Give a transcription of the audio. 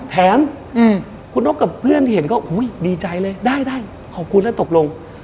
แถมคุณนกกับเพื่อนเห็นก็อุ้ยดีใจเลยได้ได้ขอบคุณแล้วตกลง